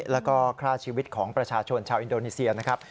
แล้วก็ฆ่าชีวิตของประชาชนชาวอินโดนีเซียนะครับ